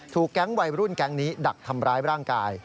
แก๊งวัยรุ่นแก๊งนี้ดักทำร้ายร่างกาย